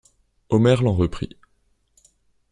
Omer l'en reprit.